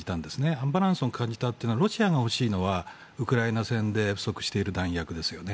アンバランスを感じたというのはロシアが欲しいのはウクライナ戦で不足している弾薬ですよね。